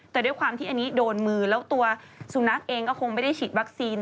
แต่ด้วยความที่อันนี้โดนมือแล้วตัวสุนัขเองก็คงไม่ได้ฉีดวัคซีน